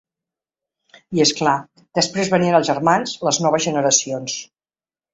I, és clar, després venien els germans, les noves generacions.